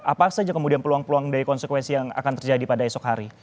apa saja kemudian peluang peluang dari konsekuensi yang akan terjadi pada esok hari